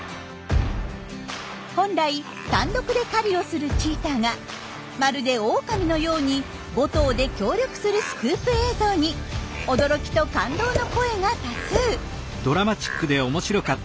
本来単独で狩りをするチーターがまるでオオカミのように５頭で協力するスクープ映像に驚きと感動の声が多数。